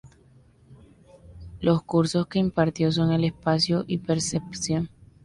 Los cursos que impartió son el Espacio y Percepción.